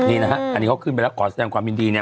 นี่นะฮะอันนี้เขาขึ้นไปแล้วขอแสดงความยินดีเนี่ย